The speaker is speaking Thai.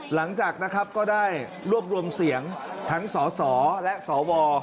หลังจากนะครับก็ได้รวบรวมเสียงทั้งสสและสว